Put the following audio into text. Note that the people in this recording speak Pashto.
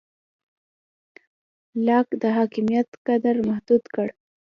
لاک د حاکمیت قدرت محدود کړ.